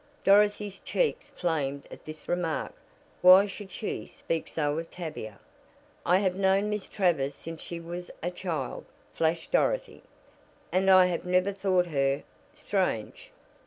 Dorothy's cheeks flamed at this remark. Why should she speak so of Tavia? "I have known Miss Travers since she was a child," flashed Dorothy, "and I have never thought her strange."